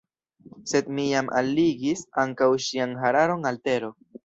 Sed mi jam alligis ankaŭ ŝian hararon al tero.